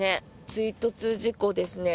追突事故ですね。